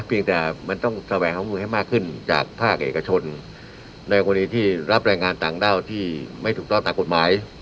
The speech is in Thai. เพียงแต่มันต้องแสวงของมือให้มากขึ้นจากภาคเอกชนในกรณีที่รับแรงงานต่างด้าวที่ไม่ถูกต้องตามกฎหมาย